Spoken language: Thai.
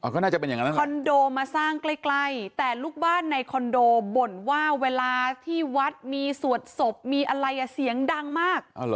คอนโดมาสร้างใกล้แต่ลูกบ้านในคอนโดบ่นว่าเวลาที่วัดมีสวดศพมีอะไรเสียงดังมาก